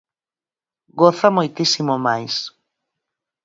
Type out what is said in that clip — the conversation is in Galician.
goza moitísimo máis.